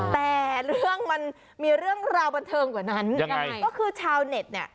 แต่เรื่องมันมีเรื่องราวบันเทิงกว่านั้นยังไงก็คือชาวเน็ตเนี่ย